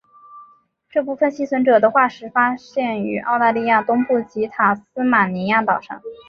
这部分幸存者的化石发现于澳大利亚东部及塔斯马尼亚岛上。